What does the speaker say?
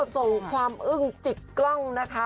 ส่งความอึ้งจิกกล้องนะคะ